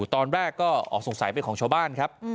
ตอนแรกก็ออกสงสัยเป็นของชาวบ้านครับ